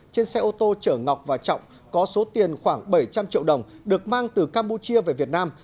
trên xe ô tô chở ngọc và trọng có số tiền khoảng bảy trăm linh triệu đồng được mang từ campuchia về việt nam